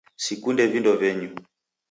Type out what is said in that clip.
Sikunde vindo venyu